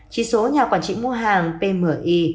chỉ số nhà quản trị mua hàng pmi